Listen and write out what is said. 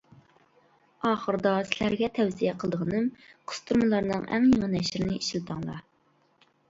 ئاخىرىدا سىلەرگە تەۋسىيە قىلىدىغىنىم قىستۇرمىلارنىڭ ئەڭ يېڭى نەشرىنى ئىشلىتىڭلار.